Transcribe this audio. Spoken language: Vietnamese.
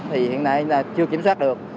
thì hiện nay chưa kiểm soát được